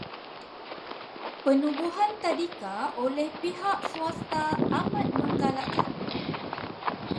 Penubuhan tadika oleh pihak swasta amat menggalakkan.